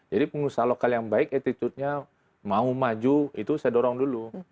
jadi pengusaha lokal yang baik attitude nya mau maju itu saya dorong dulu